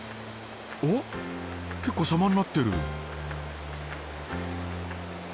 おっ結構様になってる。